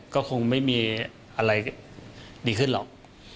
ก็คงไม่มีอะไรดีขึ้นหรอก